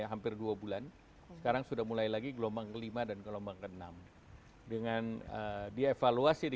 hampir dua bulan sekarang sudah mulai lagi gelombang kelima dan gelombang ke enam dengan dievaluasi di